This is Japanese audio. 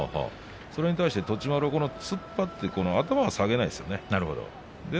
それに対して栃丸突っ張って頭を下げないですね。